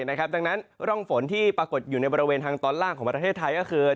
ดังนั้นร่องฝนที่ปรากฏอยู่ในบริเวณทางตอนล่างของประเทศไทยก็คือ